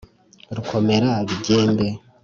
Rukomera bigembe,